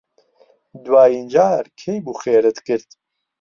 دوایین جار کەی بوو خێرت کرد؟